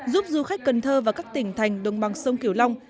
giúp du khách cần thơ và các tỉnh thành đồng bằng sông kiểu long